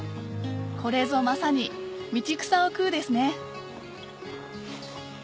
これぞまさに道草を食うですね